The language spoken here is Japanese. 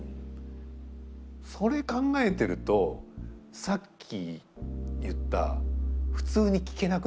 それ考えてるとさっき言った普通に聞けなくなるんですよね。